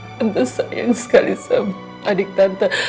tentu sayang sekali sama adik tante